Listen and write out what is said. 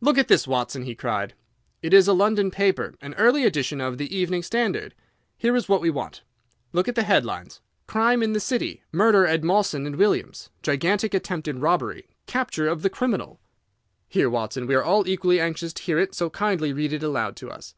"Look at this, Watson," he cried. "It is a London paper, an early edition of the Evening Standard. Here is what we want. Look at the headlines: 'Crime in the City. Murder at Mawson & Williams'. Gigantic Attempted Robbery. Capture of the Criminal.' Here, Watson, we are all equally anxious to hear it, so kindly read it aloud to us."